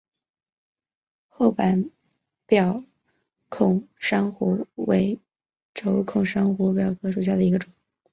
厚板表孔珊瑚为轴孔珊瑚科表孔珊瑚属下的一个种。